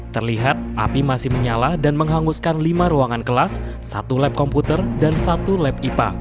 terlihat api masih menyala dan menghanguskan lima ruangan kelas satu lab komputer dan satu lab ipa